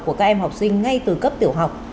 của các em học sinh ngay từ cấp tiểu học